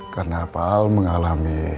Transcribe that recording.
karena paal mengalami